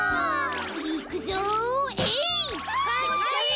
いくぞえい！